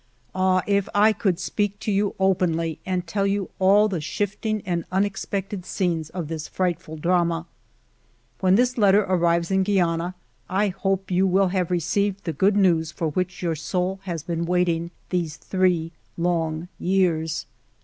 Ah, if I could speak to you openly and tell you all the shifting and unex pected scenes of this frightful drama! " When this letter arrives in Guiana I hope you will have received the good news for which your soul has been waiting these three long years.